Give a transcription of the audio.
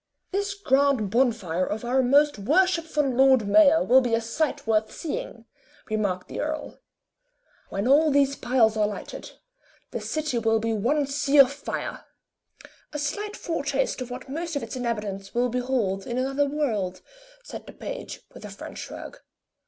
"This grand bonfire of our most worshipful Lord Mayor will be a sight worth seeing," remarked the earl. "When all these piles are lighted, the city will be one sea of fire." "A slight foretaste of what most of its inhabitants will behold in another world," said the page, with a French shrug.